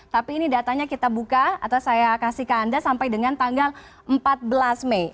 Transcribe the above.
tapi ini datanya kita buka atau saya kasih ke anda sampai dengan tanggal empat belas mei